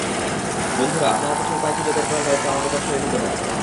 বন্ধুরা, আপনারা কিছু উপায় খুঁজে বের করার দায়িত্ব আমার উপর ছেড়ে দিতে পারেন।